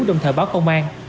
đồng thời báo công an